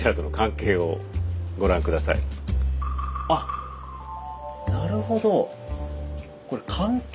よくあっなるほど。